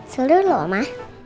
seru loh oma